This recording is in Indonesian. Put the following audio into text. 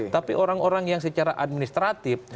tapi orang orang yang secara administratif